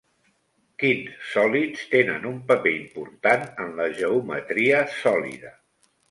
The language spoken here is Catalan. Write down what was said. Quins sòlids tenen un paper important en la geometria sòlida?